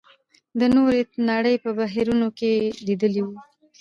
د نورې نړۍ په بهیرونو کې یې لېدلي وو.